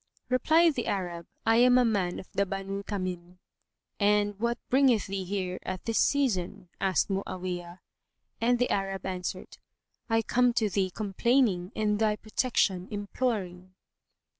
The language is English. Replied the Arab, "I am a man of the Banú Tamím."[FN#143] "And what bringeth thee here at this season?" asked Mu'awiyah; and the Arab answered, "I come to thee, complaining and thy protection imploring."